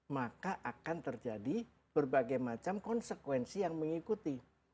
maka akan terjadi berbagai macam konsekuensi yang mengikuti